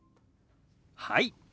はい。